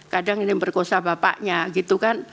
kadang ini yang diperkosa bapaknya gitu kan